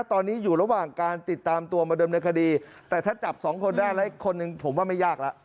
ตอนนี้อยู่ระหว่างการติดตามตัวมาเดิมในคดีแต่ถ้าจับสองคนได้แล้วอีกคนนึงผมว่าไม่ยากแล้ว